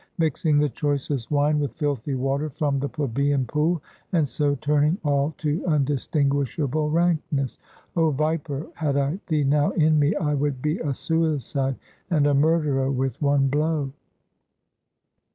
Mixing the choicest wine with filthy water from the plebeian pool, and so turning all to undistinguishable rankness! Oh viper! had I thee now in me, I would be a suicide and a murderer with one blow!"